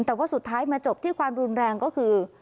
แต่ว่าสุดท้ายมาจบที่ความรุนแรงก็คือ